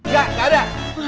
gak gak ada